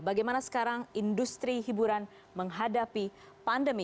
bagaimana sekarang industri hiburan menghadapi pandemi